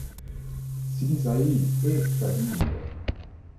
Sidi-Saïd est Kabyle.